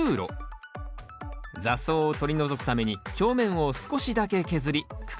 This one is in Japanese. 雑草を取り除くために表面を少しだけ削り区画を作ります。